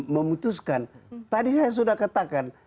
memutuskan tadi saya sudah katakan